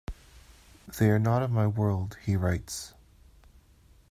"They are not of my world", he writes.